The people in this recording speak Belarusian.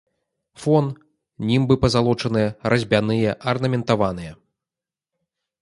Фон, німбы пазалочаныя, разьбяныя, арнаментаваныя.